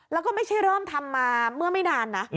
แล้วก็ไม่ใช่เริ่มทำมาเมื่อไม่นานนะ